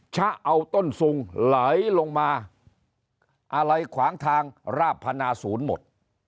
จะเอาต้นซุงไหลลงมาอะไรขวางทางราบพนาศูนย์หมด